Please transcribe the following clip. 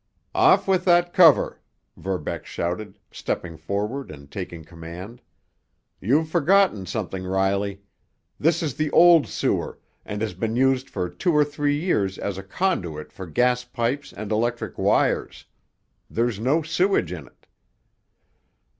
"Off with that cover!" Verbeck shouted, stepping forward and taking command. "You've forgotten something, Riley. This is the old sewer, and has been used for two or three years as a conduit for gas pipes and electric wires. There's no sewage in it."